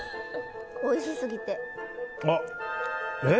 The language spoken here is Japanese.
おいしすぎて。